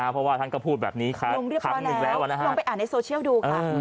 เพราะว่าท่านก็พูดแบบนี้ครั้งหนึ่งแล้วลองไปอ่านในโซเชียลดูค่ะ